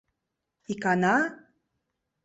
Икана...